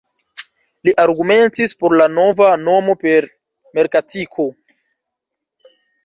Li argumentis por la nova nomo per merkatiko.